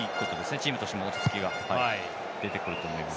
チームとしての落ち着きが出てくると思います。